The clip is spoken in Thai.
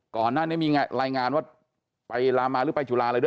ก่อนหน้านี้มีรายงานว่าไปลามาหรือไปจุฬาอะไรด้วย